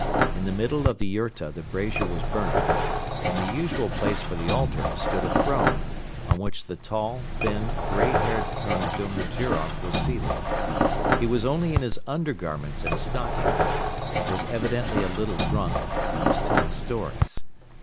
In the middle of the yurta the brazier was burning. In the usual place for the altar stood a throne, on which the tall, thin, grey haired Colonel Domojiroff was seated. He was only in his undergarments and stockings, was evidently a little drunk and was telling stories.